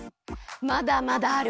まだまだあるわよ